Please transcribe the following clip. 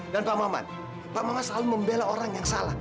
dan pak maman pak maman selalu membela orang yang salah